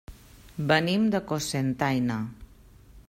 Venim de Cocentaina.